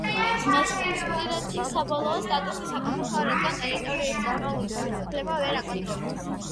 დნესტრისპირეთის საბოლოო სტატუსი საკამათოა, რადგან ტერიტორიას ცენტრალური ხელისუფლება ვერ აკონტროლებს.